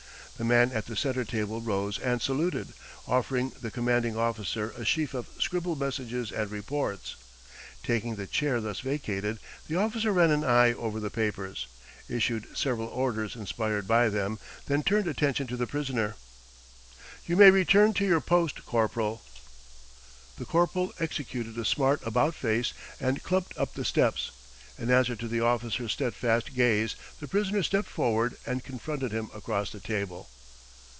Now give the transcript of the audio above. The man at the centre table rose and saluted, offering the commanding officer a sheaf of scribbled messages and reports. Taking the chair thus vacated, the officer ran an eye over the papers, issued several orders inspired by them, then turned attention to the prisoner. "You may return to your post, corporal." The corporal executed a smart about face and clumped up the steps. In answer to the officer's steadfast gaze the prisoner stepped forward and confronted him across the table.